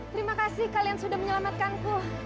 terima kasih kalian sudah menyelamatkanku